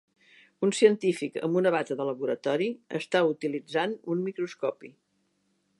Un científic amb una bata de laboratori està utilitzant un microscopi.